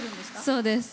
そうです。